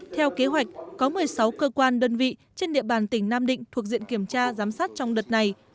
theo kế hoạch có một mươi sáu cơ quan đơn vị trên địa bàn tỉnh nam định thuộc diện kiểm tra giám sát trong đợt này